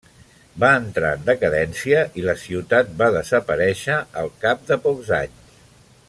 Va entrar en decadència i la ciutat va desaparèixer al cap de pocs anys.